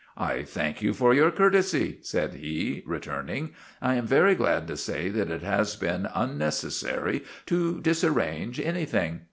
" I thank you for your courtesy," said he, re turning. " I am very glad to say that it has been unnecessary to disarrange anything.